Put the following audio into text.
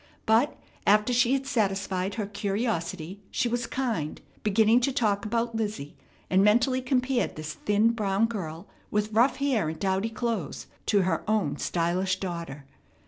But after she had satisfied her curiosity she was kind, beginning to talk about Lizzie, and mentally compared this thin, brown girl with rough hair and dowdy clothes to her own stylish daughter.